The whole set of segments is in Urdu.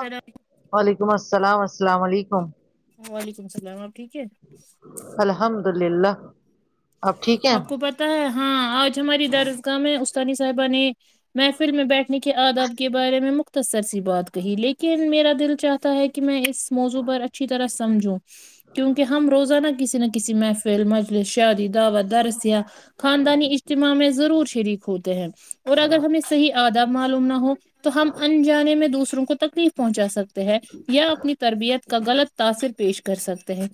السلام وعلیکم السلام السلام علیکم وعلیکم السلام آپ ٹھیک ہے الحمد للہ [unintelligible] ٹھیک ہیں آپ کو پت ہے ہاں آج ہماری درگاہ میں اسانی صاحبہ نے محفل میں بیٹھنے کے آداب کے بارے میں مختصر سی بات کہی لیکن میرا دل چاہتا ہے کہ کہ میں اس موضوع پر اچھی طرح سمجھوں کیونکہ ہم روزانہ کسی نہ کسی محفل مجلس شہادی دعو د رسیا خاندانی اجتماع میں ضرور شریک ہوتے ہیں اور اگر ہمیں صحیح آداب معلوم نہ ہو تو ہم انجانے میں دوسروں کو تکلیف پہنچا سکتے ہیں یا اپنی تربیت کا غلط تاثر پیش کر سکتے ہیں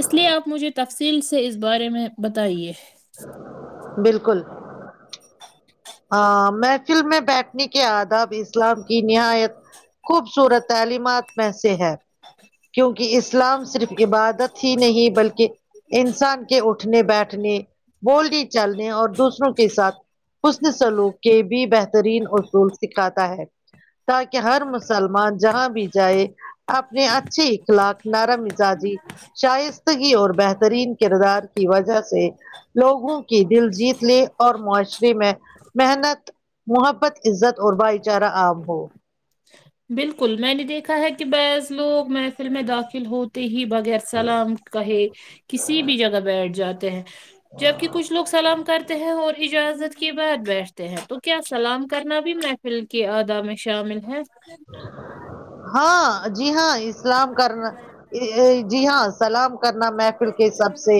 اس لیے آپ مجھے تفصیل سے اس بارے میں بتائیے بالکل [unintelligible] ہاں محفل میں بیٹھنے کے آداب اسلام کی نہایت خوبصورت تعلیمات میں سے ہے کیونکہ اسلام صرف عبادت ہی نہیں بلکہ انسان کے اٹھنے بیٹھنے بولنے چلنے اور دوسروں کے ساتھ اسن سلوک کے بھی بہترین اصول سکھاتا ہے تاکہ ہر مسلمان جہاں بھی جائے اپنے اچ اخلاق نر مزاجی شائستگی اور بہترین کردار کی وجہ سے لوگوں کی دل جیت لے اور معاشرے میں محنت محبت عزت اور بھائی چارہ عام ہو بالکل میں نے دیکھا ہے کہ بعض لوگ محفل میں داخل ہوتے ہی بغیر سلام کہے کسی بھی جگہ بیٹھ جاتے ہیں جبک کچھ لوگ سلام کرتے ہیں اور اجازت کے بعد بیٹھتے ہیں تو کیا سلام کرنا بھی محفل کے اعدا میں شامل ہاں [unintelligible] ہاں جی ہاں سلام کرنا جی ہاں سلام کرنا محفل کے سب سے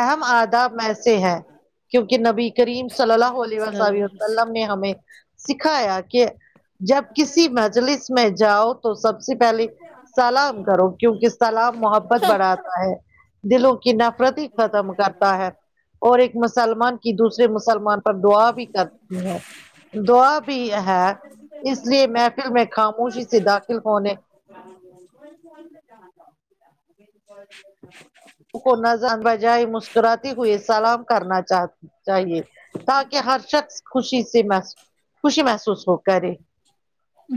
اہم آداب میں سے ہے کیونکہ نبی کریم صلی اللہ علیہ صلی اللہ علیہ وسلم وسسلم نے ہمیں سکھایا کہ جب کسی مجلس میں جاؤ تو سب سے پہلے سلام کرو کیونکہ سلام محبت بڑھاتا ہے دلوں کی نفرت ہی ختم کرتا ہے اور ایک مسلمان کی دوسرے مسلمان پر دعا بھی کرتی ہے دعا بھی ہے اس لیے محفل میں خاموشی سے داخل ہونے [unintelligible] کو نان بجائے مسکراتی ہوئے سلام کرنا چ چاہیے تاکہ ہر شخص خوشی سے مح خوشی محسوس ہو کرے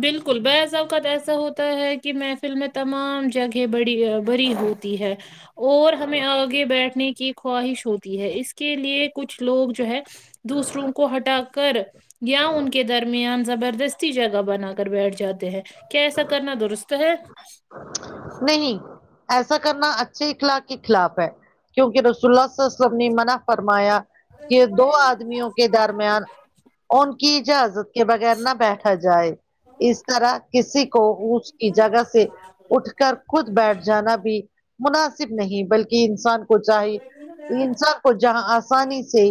بالکل بض اوقت ایسا ہوتا ہے کہ محفل میں تمام جگہ بڑی بری ہو تی ہے اور ہمیں آگے بیٹھنے کی خواہش ہوتی ہے اس کے لیے کچھ لوگ جو ہے دوسروں کو ہٹا کر یا ان کے درمیان زبردستی جگہ بنا کر بیٹھ جاتے ہیں کیا ایسا کرنا درست ہے نہیں ایسا کرنا اچھے اخلاق کے خلاف ہے کیونکہ رسول اللہ وسلم نے منع فرمایا ا تو کہ وہ دو یہ ن [unintelligible] آدمیوں کے درمیان ان کی اجازت کے بغیر نہ بیٹھا جائے اس طرح کسی کو اس کی جگہ سے اٹھ کر خود بیٹھ جانا بھی مناسب نہیں بلکہ انسان کو کو چاہے انسان کو جہاں آسانی سے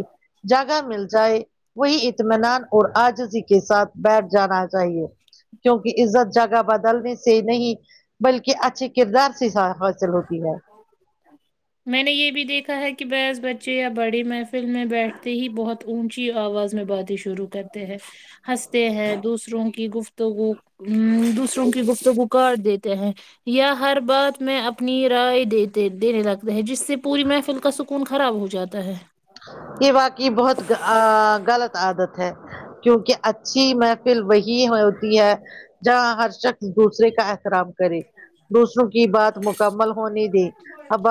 جگہ مل جائے وہی اطمینان اور آجزی کے ساتھ بیٹھ جانا چاہیے کیونکہ عزت جگہ بدلنی سے نہیں بلکہ اچھے کردار سے حاصل ہوتی ہے میں نے یہ بھی دیکھا ہے کہ بس بچے یا بڑی محفل میں بیٹھتے ہی بہت اونچی آواز میں باتی شروع کرتے ہیں ہنستے ہیں دوسروں کی گفتگو ا دوسروں کی گفتوں کو کاٹ دیتے ہیں یا ہر بات میں اپنی رائے دیتے دینے لگتے ہیں جس سے پوری محفل کا سکون خراب ہو جاتا ہے یہ باقی بہت غلط آادت ہے کیونکہ اچھی محفل وہی ہوتی ہے جہاں ہر شخص دوسرے کا احترام کرے دوسروں کی بات مکمل ہونی دی اب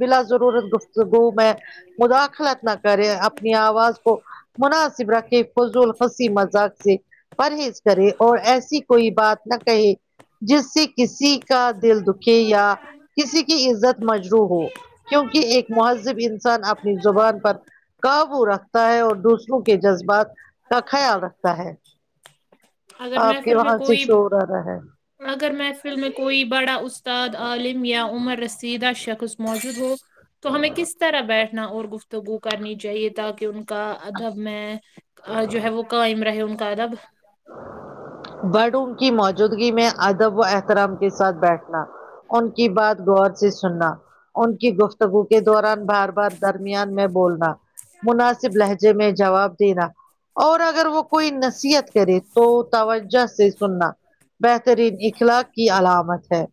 بلا ضرورت گفتگو میں مداخلہ کرے اپنی آواز کو مناسب رکھے فضول ہنسی مذاق سے پرہیز کرے اور ایسی کوئی بات نہ کہے جس سے کسی کا دل دکے یا کسی کی عزت مجرو ہو کیونکہ ایک مہذب انسان اپنی زبان پر کاف رکھتا ہے اور دوسروں کے جذبات کا خیال رکھتا ہے اگر آپ کے محفل میں وہاں سے کوئی شور آ رہا ہے اگر محفلم کوئ بڑا استاد عالم یا عمر رسیدہ شخص موجود ہو تو ہمیں کس طرح بیٹھنا اور گفتگو کرنی چاہیے تاکہ ان کو کا ادب میں جو ہے وہ قائم رہے ان کا ادب برڈوم کی موجودگی میں ادب و احترام کے ساتھ بیٹھنا ان کی بات گو سے سننا ان کی گفتگو کے دوران بار بار درمیان میں بولنا مناسب لہجے میں جواب دینا اور اگر وہ کوئی نصیحت کرے تو توجہ سے سننا بہترین اخلاق کی علامت ہے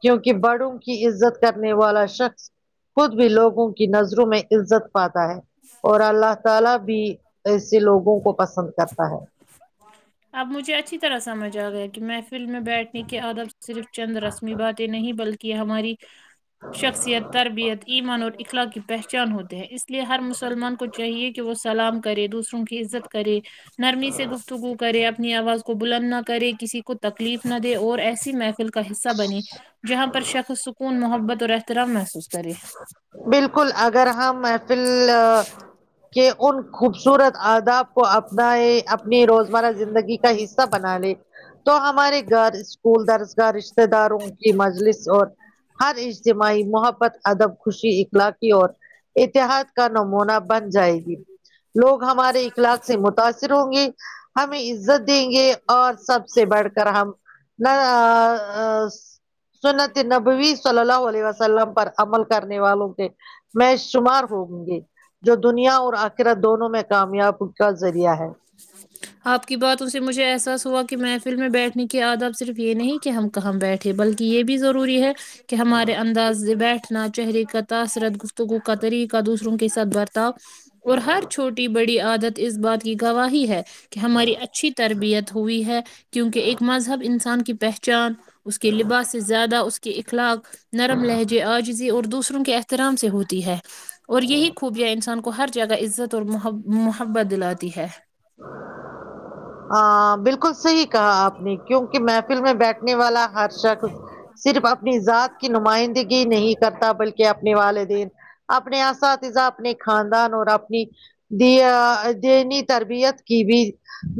کیونکہ بڑوں کی عزت کرنے والا شخص خود بھی لوگوں کی نظروں میں عزت پاتا ہے اور اللہ تعالی بھی ایے لوگوں کو پسند کرتا ہے اب مجھے اچھی طرح سمجھ آ گیا کہ محفل میں بیٹھنے کی عادت صرف چند رسمی باتیں نہیں بلکہ ہماری شخصیت تربیت ایمان اور اخلاق کی پہچان ہوتے ہیں اس لیے ہر مسلمان کو چاہیے کہ وہ سلام کرے دوسروں کی عزت کرے نرمی سے گفتگو کرے اپنی آواز کو بلند نہ کرے کسی کو تکلیف نہ دے اور ایسی محفل کا حصہ بنی جہاں پر شخص سکون محبت اور احترام محسوس کرے بالکل اگر ہم محفل کہ ان خوبصورت آداب کو اپنا اپنی روزمرہ زندگی کا حصہ بنا لے تو ہمارے گھر اسکول درزگاہ رشتتے داروں کی مجلس اور ہر اجتماعی محبت ادب خوشی اخلاقی اور اتحاد کا نمونہ بن جائے گی لوگ ہمارے اخلاق سے متاثر ہوں گے ہمیں عزت دیں گے اور سب سے بڑھ کر ہم نہ سنتی نبوی صلی اللہ علیہ وسام پر عمل والوں د [inaudible] میں شمار ہووں گے جو دنیا اور آخرہ دونوں میں کامیاب کا ریہ ہے [unintelligible] آپ کی باتوں سے مجھے احساس ہوا کہ محفل میں بیٹھنے کی آداب صرف یہ نہیں کہ ہم کو کہ ہم بیٹھے بلکہ یہ بھی ضروری ہے کہ ہمارے انداز سے بیٹھنا چہرے کا تاثرت گفتگو کا طریقہ دوسروں کے ساتھ ب اور ہر چھوٹی بڑی عادت اس بات کی گواہی ہے کہ ہماری اچھی تربیت ہوئی ہے کیونکہ ایک مذہب انسان کی پہچان اس کے لباس سے زیادہ اس کے اخلاق نرم لہجے آج اور دوسروں کے احترام سے ہوتی ہے اور یہی خوبیاں انسان کو کو ہر جگہ عزت اور م محبت دلاتی ہے ہاں بالکل صحیح کہا آپ نے کیونکہ محفل میں بیٹھ نے والا ہرشا ک صرف اپنی ذات کی نمائندگی نہیں کرتا بلکہ اپنے والدین اپنے آسااتذا اپنے خاندان اور اپنی دی دین تربیت کی بھی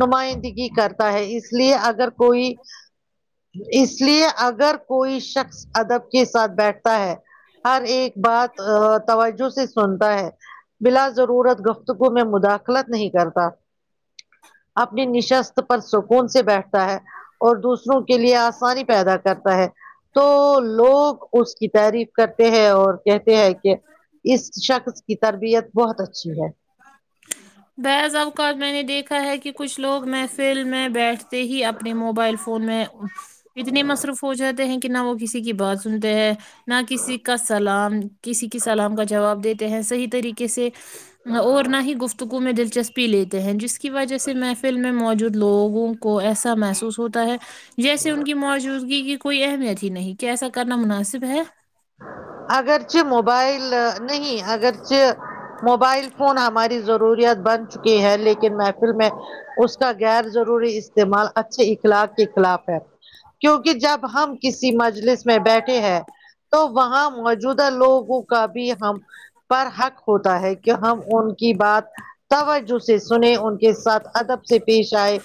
نمائندگی کرتا ہے اس لیے اگر کوئی اس لیے اگر کوئی شخص ادب کے ساتھ بیٹھتا ہے ہر ایک بات توجہ سے سنتا ہے بلا ضرورت گفتگو میں مداخلت نہیں کرتا اپنی نشست پر سکون سے بیٹھتے ہے اور دوسروں کے لیے آسانی پیدا کرتا ہے تو لوگ اس کی تعریف کرتے ہیں اور کہتے ہیں کہ اس شخص کی تربیت بہت اچھی ہے بحض اوق میں نے دیکھا ہے کہ کچھ لوگ محفل میں بیٹھتے ہی اپنے موبائل فون میں اتنے مصروف ہو جاتے ہیں کہ نہ وہ کسی کی بات سنتے ہیں نہ کسی کا سلام کسی کی سلام کا جواب دیتے ہیں صحیح طریقے سے اور نہ ہی گفتگو میں دلچسپی پی لیتے ہیں جس کی وجہ سے محفل میں موجود لوگوں کو ایسا محسوس ہوتا ہے جیسے ان کی موجودگی کی کوئی اہمیت ہی نہیں کہ ایسا کرنا مناسب ہے اگرچہ موبائل نہیں اگرچہ موبائل فون ہماری ضروریات بن چکی ہے لیکن میں ف اس کا غیر ضروری استعمال اچھے اخلاق کے خلاف ہے کیونکہ جب ہم کسی مجلس میں بیٹھے ہیں تو وہاں موجودہ لوگوں کا بھی ہم پر حق ہوتا ہے کہ ہم ان کی بات توجہ سے سنے ان کے ساتھ ادب سے پیش آئے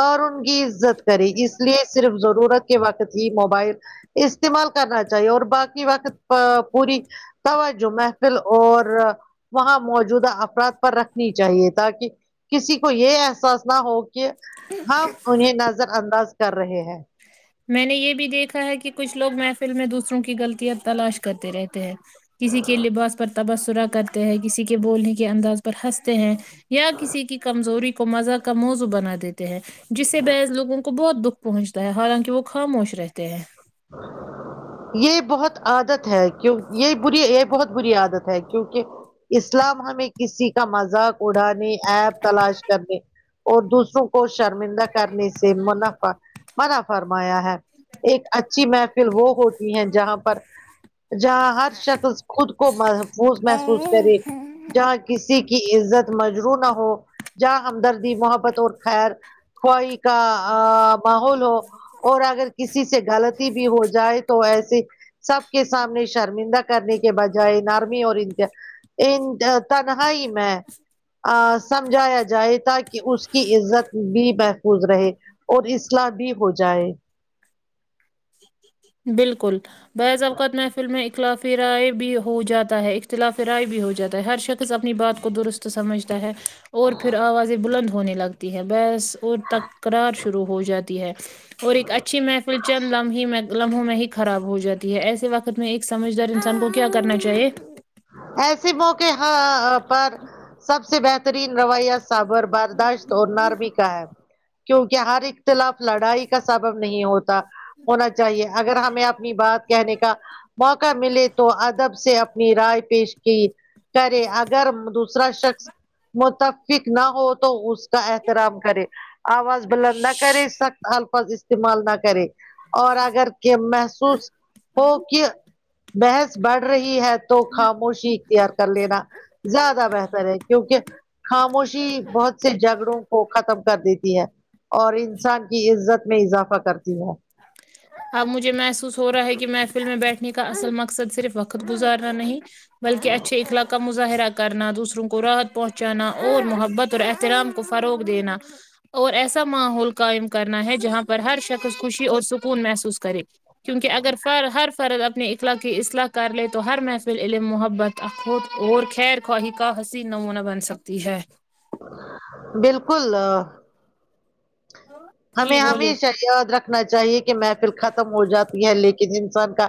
اور ان کی عزت کرے اس لیے صرف ضرورت کے وقت ہی موبائل استعمال کرنا چاہیے اور باقی وقت پوری توجہ اور وہاں موجودہ افراد پر رکھنی چاہیے تاکہ کسی کو یہ احساس نہ ہو کہ ہم انہیں نظر انداز کر رہے ہیں جی میں نے یہ بھی دیکھا ہے کہ کچھ لوگ محفل میں دوسروں کی غلطیاں تلاش کرتے رہتے ہیں کسی کے لباس پر تبصرہ کرتے ہیں کسی کے بولنے کے انداز پر ہنستے ہیں یا کسی کی کمزوری کو مزہ کا موضوع بنا دیتے ہیں جسے بحث لوگوں کو کو بہت دکھ پہنچتا ہے حالانکہ وہ خاموش رہتے ہیں یہ بہت عادت ہے کیوں یہ بری یہ بہت بری عادت ہے کیونکہ اسلام ہمیں کسی کا مذاق اڑانے ایپ تلاش کرنے اور دوسروں کو شرمندہ کرنے سے منافع منافرما آایا ہے ایک اچھی محفل وہ ہوتی ہے جہاں پر جہاں ہر شخص خود کو محفوظ محسوس کرے جہاں کسی کی عزت مجرو نہ ہو جاں ہمدردی محبت اور خیر خوائی کا ماحول ہو اور اگر کسی سے غلط بھی ہو جائے تو ایسے سب کے سامنے شرمندہ کرنے کے بجائے ان آرمی اور ان ان تنہائی میں سمجھایا جائے ت کہ اس کی عزت بھی گز رہے اور اسلاح بھی ہو جائے بالکل بعض اوقات محفل میں ایک اختلافی رائے بھی ہو جاتا ہے اختلافی رائے بھی ہو جاتا ہے ہر شخص اپنی بات کو درست سمجھتا ہے اور پھر آوازیں بلند ہونے لگتی ہیں بس اور تکرار شروع ہو جاتی ہے اور ایک اچھی محفل چند لم ہی میں لمحوں میں ہی خراب ہو جاتی ہے ایسے وقت میں ایک سمجھدار انسان کو کیا کرنا چاہیے ایسے موقع پر سب سے بہتر ترین روایہ سابر برداشت اور نار بھی کا ہے کیونکہ ہر اختلاف لڑائی کا سب نہیں ہوتا ہونا چاہیے اگر ہمیں اپنی بات کہنے کا موقع ملے تو ادب سے رائے پیش کی کریں اگر دوسرا شخص متف نہ ہو تو اس کا احترام کرے آواز بلند نہ کرے سخت الفاظ استعمال نہ کرے اور اگر محسوس ہو کہ بحث بڑھ رہی ہے تو خاموشی تار کر لینا زیادہ بہتر ہے کیونکہ خاموشی بہت سے جھگڑوں کو ختم کر دیتی ہے اور انسان کی عزت میں اضافہ کرتی ہے اب مجھے محسوس ہو رہا ہے کہ محفل میں بیٹھنے کا اصل مقصد صرف وقت گزارنا نہیں بلکہ اچھے اخلاق کا مظاہرہ کرنا دوسروں کو راحت پہنچانا اور محبت اور احترام فروغ دینا اور ایسا ماحول قائم کرنا نا ہے جہاں پر ہر شخص خوشی اور سکون محسوس کرے کیونکہ اگر فر ہر فرد اپنے اخلاق کی اصلاح کر لے تو ہر محفل علم محبت خود اور خیر خواہ کا حسی نموونہ بن سکتی ہے بالکل جی ہمیں بولیے ہمیشہ اور رکھ نا چاہیے کہ محفل ختم ہو جاتی ہے لیکن انسان کا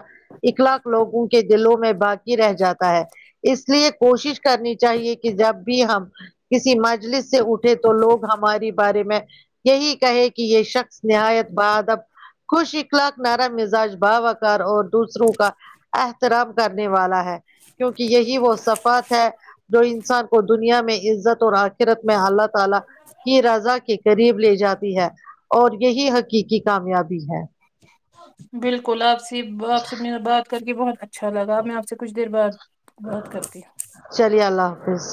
اخلاق لوگوں کے دلوں میں باقی رہ جاتا ہے اس لیے کوشش کرنی چاہیے کہ جب بھی ہم کسی مرجد سے اٹھے تو لوگ ہماراری بارے میں یہی کہے کہ یہ شخص نہایت بعادب خوش اخلاق نارا مزاج بھاوکار اور دوسروں کا احتراب کرنے والا ہے کیونکہ یہی وہ صفات ہے جو انسان کو دنیا میں عزت اور آخرت میں حالت تا کی رضا کے قریب لے جاتی ہے اور یہی حقیقی کامیابی ہے بالکل آپ سے آپ سے م بات کر کے بہت اچ اچھا لگا میں آپ سے کچھ دیر بعد بات کرتی ہوں چلیے اللہ حافظ